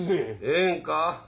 ええんか？